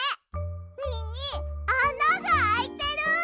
みにあながあいてる。